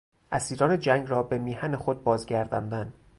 اسیران جنگ را به میهن خود بازگرداندن